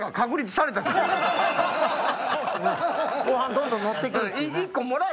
後半どんどん乗ってくるっていうね。